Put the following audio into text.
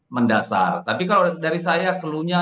mendasar tapi kalau dari saya kelunya